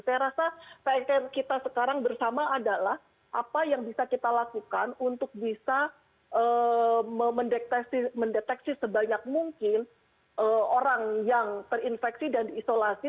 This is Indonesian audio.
saya rasa pr kita sekarang bersama adalah apa yang bisa kita lakukan untuk bisa mendeteksi sebanyak mungkin orang yang terinfeksi dan diisolasi